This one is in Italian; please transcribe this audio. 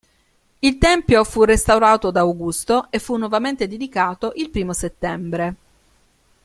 Il tempio fu restaurato da Augusto e fu nuovamente dedicato il primo settembre.